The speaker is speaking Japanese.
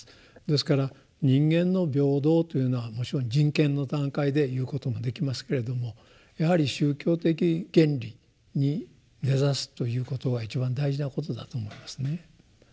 ですから人間の平等というのはむしろ人権の段階で言うこともできますけれどもやはり宗教的原理に根ざすということは一番大事なことだと思いますね。